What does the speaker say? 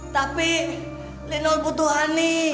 tapi lino butuh honey